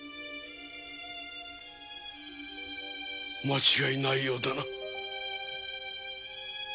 間違いないようだな。